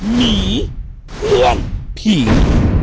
หนีเพื่อนผีหนุ่ม